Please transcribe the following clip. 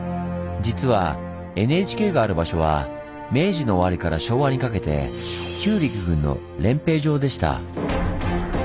実はＮＨＫがある場所は明治の終わりから昭和にかけて旧陸軍の練兵場でした。